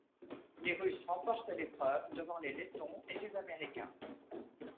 Les Russes remportent l'épreuve devant les Lettons et les Américains.